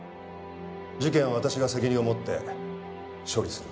事件は私が責任を持って処理すると。